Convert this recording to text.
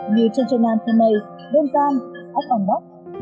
như trân trân nam thu mây đông tam ốc bằng bóc